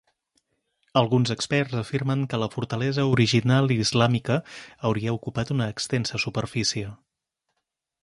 Alguns experts afirmen que la fortalesa original islàmica hauria ocupat una extensa superfície.